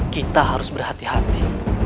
kita harus berhati hati